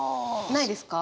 ないですか？